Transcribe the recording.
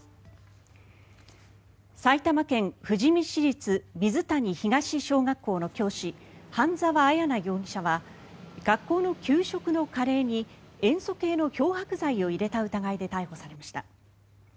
埼玉県富士見市立水谷東小学校の教師、半澤彩奈容疑者は学校の給食のカレーに塩素系の漂白剤を入れた疑いで逮捕されました。